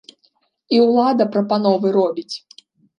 І ўлада прапановы робіць.